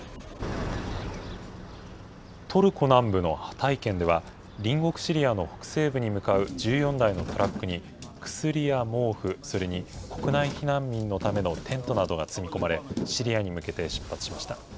トルコ南部のハタイ県では、隣国シリアの北西部に向かう１４台のトラックに、薬や毛布、それに国内避難民のためのテントなどが積み込まれ、シリアに向けて出発しました。